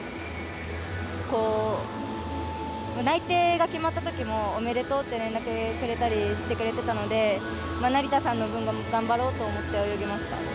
内定が決まったときもおめでとうって連絡をくれたりしてくれていたので成田さんの分も頑張ろうと思って泳ぎました。